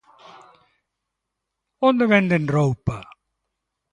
Onde venden roupa?